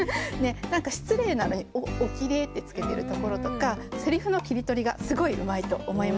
何か失礼なのに「お綺麗」ってつけてるところとかセリフの切り取りがすごいうまいと思いました。